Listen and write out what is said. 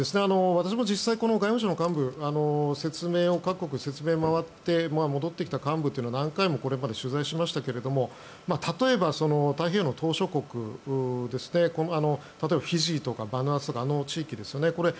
私も実際、外務省の幹部各国、説明に回って戻ってきた幹部に何回も取材しましたが例えば太平洋の島しょ国例えばフィジーとかバヌアツとかあの地域ですよね。